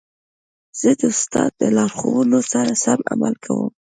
زه د استاد د لارښوونو سره سم عمل کوم.